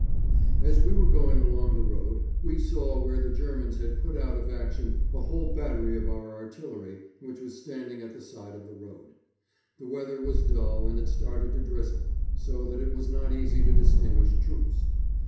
As we were going along the road we saw where the Germans had put out of action a whole battery of our artillery which was standing at the side of the road. The weather was dull and it started to drizzle, so that it was not easy to distinguish troops.